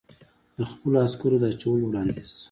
د خپلو عسکرو د اچولو وړاندیز.